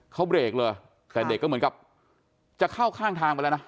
เขาเบรกเลยแต่เด็กก็เหมือนกับจะเข้าข้างทางไปแล้วนะ